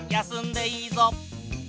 休んでいいぞ。